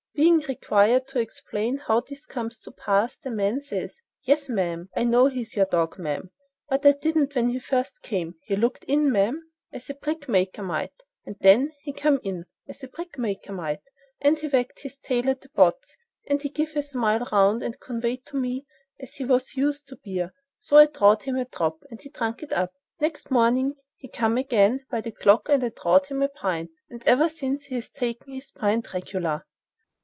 Being required to explain how this comes to pass the man says: "Yes, ma'am. I know he's your dog, ma'am, but I didn't when he first came. He looked in, ma'am, as a brick maker might, and then he come in, as a brickmaker might, and he wagged his tail at the pots, and he giv a sniff round and conveyed to me as he was used to beer. So I draw'd him a drop, and he drunk it up. Next morning he come agen by the clock and I draw'd him a pint, and ever since he has took his pint reg'lar."